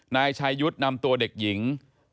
นายชายุทธ์นำตัวเด็กหญิง